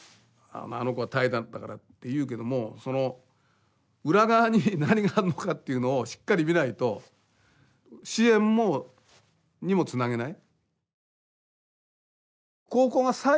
「あの子は怠惰だから」って言うけどもその裏側に何があんのかっていうのをしっかり見ないと支援にもつなげない。